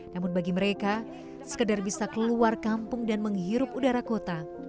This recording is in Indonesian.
namun bagi mereka sekedar bisa keluar kampung dan menghirup udara kota